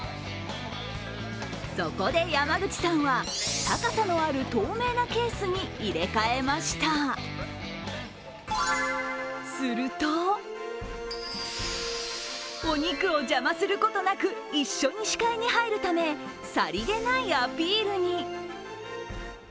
そこで山口さんは、高さのある透明なケースに入れ替えました、するとお肉を邪魔することなく一緒に視界に入るためさりげないアピールに。